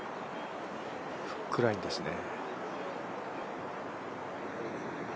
フックラインですね。